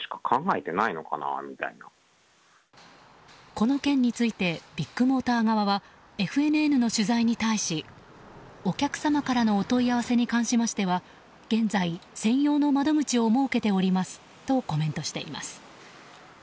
この件についてビッグモーター側はＦＮＮの取材に対しお客様からのお問い合わせに関しましては現在専用の窓口を設けておりますとコメントしています。